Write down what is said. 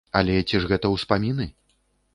Але ці ж гэта ўспаміны?